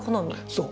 そう。